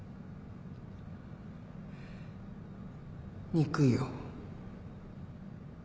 憎いよ。